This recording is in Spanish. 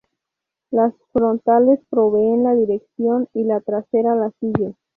Las frontales proveen la dirección y la trasera la sigue.